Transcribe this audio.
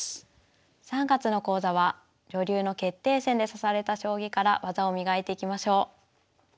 ３月の講座は女流の決定戦で指された将棋から技を磨いていきましょう。